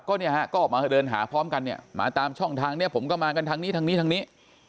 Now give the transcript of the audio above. ก็มาเดินหาพร้อมกันเนี่ยมาตามช่องทางผมก็มากันทางนี้ทางนี้ทางนี้